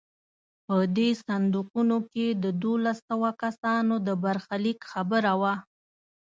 په دې صندوقونو کې د دولس سوه کسانو د برخلیک خبره وه.